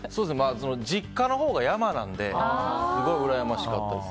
実家のほうが山なのですごいうらやましかったです。